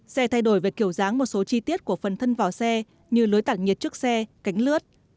xe thay đổi về kiểu dáng một số chi tiết của phần thân vỏ xe như lưới tạc nhiệt trước xe cánh lướt